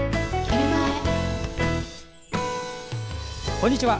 こんにちは。